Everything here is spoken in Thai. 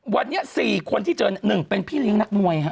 วันนี้๔คนที่เจอ๑เป็นพี่เลี้ยงนักมวยฮะ